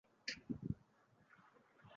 Penya qaysi sanadan hisoblanadi?